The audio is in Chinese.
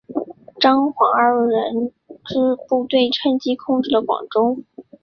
张黄二人之部队趁机控制了广州。